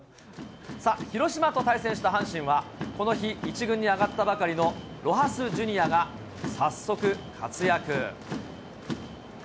さあ、広島と対戦した阪神は、この日、１軍に上がったばかりのロハス・ジュニアが、早速、活躍。